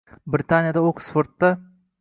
Britaniyada Oksfordda yo